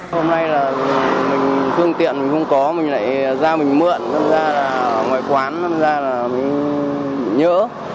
hôm nay là mình phương tiện mình không có mình lại ra mình mượn nói ra là ngoài quán nói ra là mình nhỡ